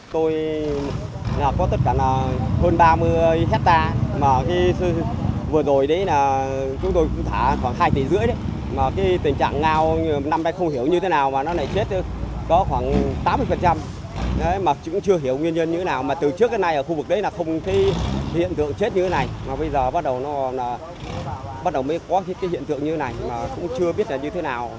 từ trước cái này ở khu vực đấy là không thấy hiện tượng chết như thế này mà bây giờ bắt đầu nó là bắt đầu mới có cái hiện tượng như thế này mà cũng chưa biết là như thế nào